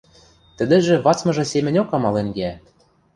Тӹдӹжӹ вацмыжы семӹньок амален кеӓ.